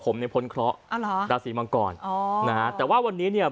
ผมเนี่ยพ้นเคราะห์อ๋อเหรอราศีมังกรอ๋อนะฮะแต่ว่าวันนี้เนี่ย